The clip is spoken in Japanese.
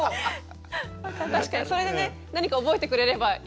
確かにそれでね何か覚えてくれれば一石二鳥と。